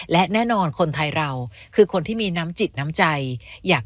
และแน่นอนคนไทยเราคือคนที่มีน้ำจิตน้ำใจอยาก